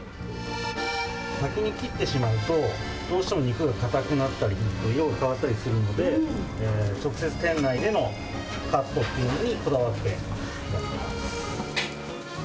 先に切ってしまうと、どうしても肉が硬くなったり、色が変わったりするので、直接店内でのカットというのにこだわって。